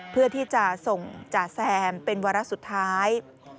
เพื่อที่จะส่งจ่าแซมเป็นวาระสุดท้าย